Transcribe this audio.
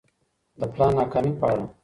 د پلان ناکامي په اړه